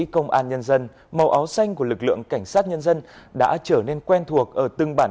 công an nhân dân màu áo xanh của lực lượng cảnh sát nhân dân đã trở nên quen thuộc ở từng bản